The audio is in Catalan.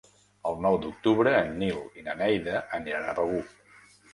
El nou d'octubre en Nil i na Neida aniran a Begur.